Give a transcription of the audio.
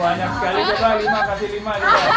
banyak sekali bapak lima kasih lima